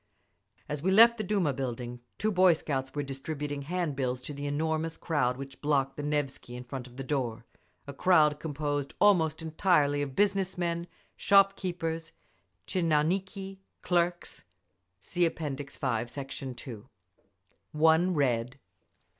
As we left the Duma building two boy scouts were distributing hand bills (See App. V, Sect. 2) to the enormous crowd which blocked the Nevsky in front of the door—a crowd composed almost entirely of business men, shop keepers, tchinouniki, clerks. One read!